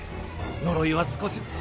呪いは少しずつ。